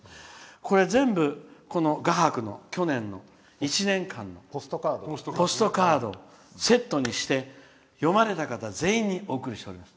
これ、全部、画伯の去年の１年間、ポストカードセットにして読まれた方全員にお送りしております。